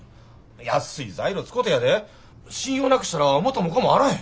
やっすい材料使てやで信用なくしたら元も子もあらへん。